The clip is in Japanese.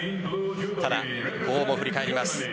ただ、こうも振り返ります。